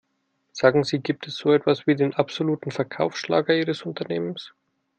Sagen Sie, gibt es so etwas wie den absoluten Verkaufsschlager ihres Unternehmens?